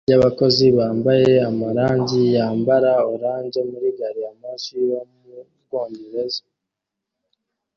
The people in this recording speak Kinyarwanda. Itsinda ryabakozi bambaye amarangi yambara orange muri gari ya moshi yo mu Bwongereza